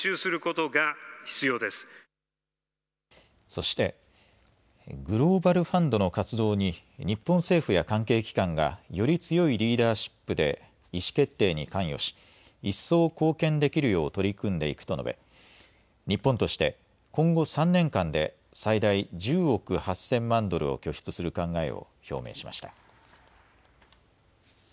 そしてグローバルファンドの活動に日本政府や関係機関がより強いリーダーシップで意思決定に関与し一層、貢献できるよう取り組んでいくと述べ日本として今後３年間で最大１０億８０００万ドルを拠出する考えを表明しました。